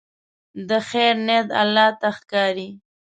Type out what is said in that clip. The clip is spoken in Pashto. د خیر نیت الله ته ښکاري.